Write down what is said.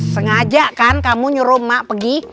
sengaja kan kamu nyuruh mak pergi